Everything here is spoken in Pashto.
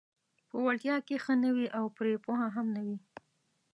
په وړتیا کې ښه نه وي او پرې پوه هم نه وي: